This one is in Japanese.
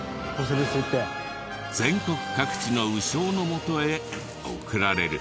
全国各地の鵜匠のもとへ送られる。